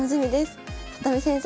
里見先生